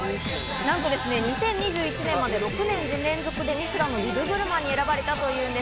なんとですね、２０２１年まで６年連続でミシュランのビブグルマンに選ばれたというんです。